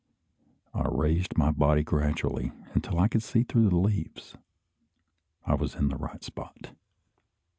I raised my body gradually until I could see through the leaves. I was in the right spot.